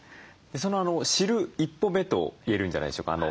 その知る一歩目と言えるんじゃないでしょうか。